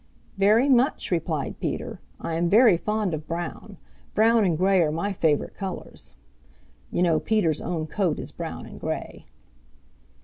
"Very much," replied Peter. "I am very fond of brown. Brown and gray are my favorite colors." You know Peter's own coat is brown and gray.